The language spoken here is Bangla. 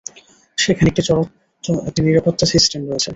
সেখানে একটি নিরাপত্তা সিস্টেম রয়েছে।